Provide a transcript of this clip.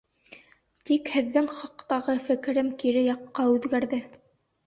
Тик һеҙҙең хаҡтағы фекерем кире яҡҡа үҙгәрҙе.